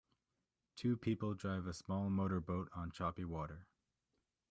Two people drive a small motor boat on choppy water.